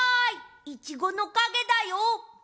いちごのかげだよ！